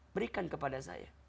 berikan kepada saya